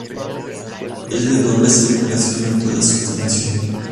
Es de doble circulación en toda su extensión.